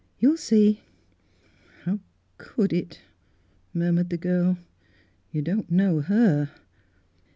You'll see !" "How could it.?" murmured the girl. " You don't know her.''